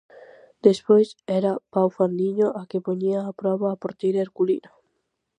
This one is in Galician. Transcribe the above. Despois era Pau Fandiño a que poñía a proba a porteira herculina.